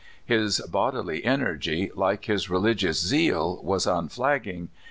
His bodily en ergy, like his religious zeal, was unflagging.